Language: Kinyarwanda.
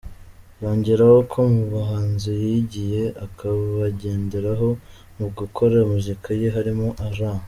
Yongeraho ko mu bahanzi yigiyeho, akabagenderaho mu gukora muzika ye harimo R.